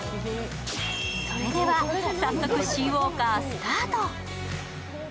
それでは早速、シーウォーカースタート。